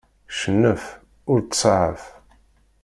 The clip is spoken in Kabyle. Cennef, ur ttsaɛaf.